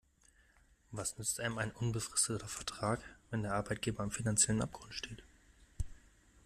Was nützt einem ein unbefristeter Vertrag, wenn der Arbeitgeber am finanziellen Abgrund steht?